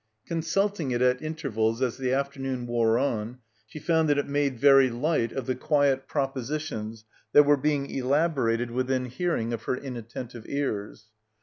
Consulting it at inter vals as the afternoon wore on, she found that it made very light of the quiet propositions that were being elaborated within hearing of her in attentive ears.